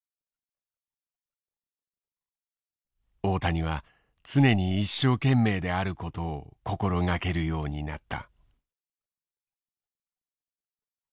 大谷は常に一生懸命であることを心掛けるようになった。